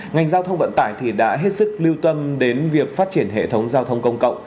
ngành giao thông vận tải đã hết sức lưu tâm đến việc phát triển hệ thống giao thông công cộng